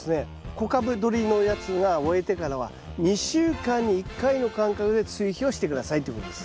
小株どりのやつが終えてからは２週間に１回の間隔で追肥をして下さいということです。